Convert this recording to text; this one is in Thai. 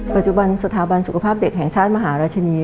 ปัจจุบันสถาบันสุขภาพเด็กแห่งชาติมหาราชินี